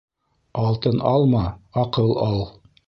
Алтын алма, аҡыл ал